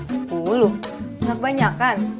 sepuluh gak banyak kan